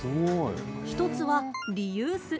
１つはリユース。